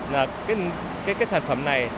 là cái sản phẩm này